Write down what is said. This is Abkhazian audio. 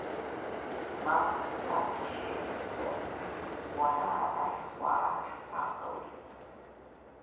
Мап, дааччеит Света, уара арахь уаара шԥаҟалеи?